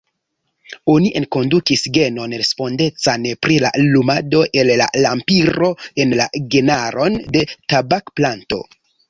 Oni enkondukis genon respondecan pri la lumado el lampiro en la genaron de tabakplanto.